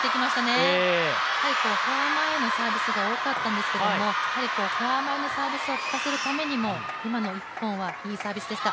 今までフォア前のサービスが多かったんですけれども、フォア前のサービスを仕掛けるためには今の１本はいいサービスでした。